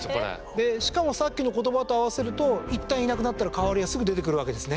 でしかもさっきの言葉と合わせると一旦いなくなったら代わりはすぐ出てくるわけですね。